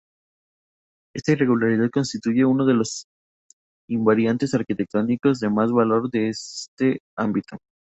Esta irregularidad constituye uno de los invariantes arquitectónicos de más valor de este ámbito.